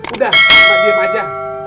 udah mbak diem aja